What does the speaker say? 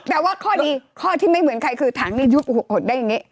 แต่ว่าข้อดีข้อที่ไม่เหมือนใครคือถังนี้ยุบอดได้อย่างนี้